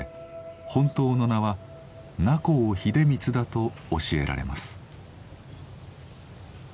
本当の名は名幸秀光だと教えられます。